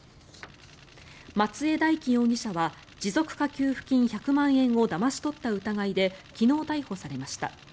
松江大樹容疑者は持続化給付金１００万円をだまし取った疑いで昨日、逮捕されました。